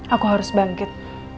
aku harus bangkit